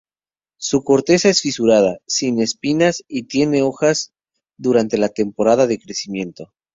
Su corteza es fisurada, sin espinas y tiene hojas durante la temporada de crecimiento.